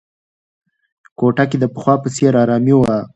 کوټه کې د پخوا په څېر ارامي وه.